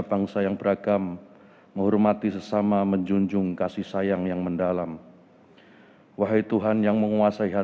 doa bersama dipimpin oleh menteri agama republik indonesia